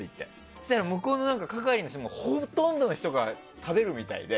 そうしたら、向こうの係の人もほとんどの人が食べるみたいで。